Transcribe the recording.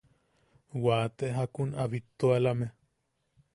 Waate jakun a bittualame.